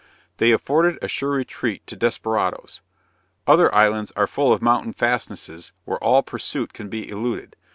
They afforded a sure retreat to desperadoes. Other islands are full of mountain fastnesses, where all pursuit can be eluded.